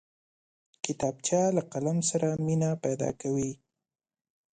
کتابچه له قلم سره مینه پیدا کوي